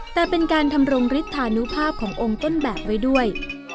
แต่เป็นการทำรงฤทธานุภาพขององค์ต้นแบบไว้ด้วย